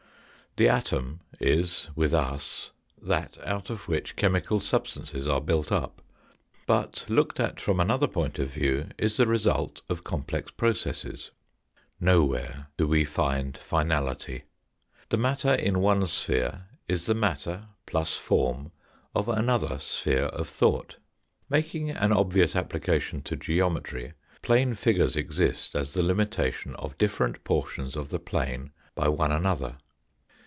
The atom is, with us, that out of which chemical substances are built up, but looked at from another point of view is the result of complex processes. Nowhere do we find finality. The matter in one sphere is the matter, plus form, of another sphere of thought. Making an obvious application to geometry, plane figures exist as the limitation of different portions of the plane by one another.